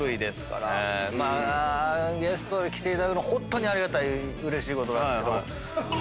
ゲストに来ていただくのはホントにありがたいうれしいことなんですけども。